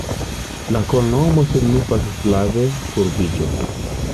La loknomo signifas slave: kurbiĝo.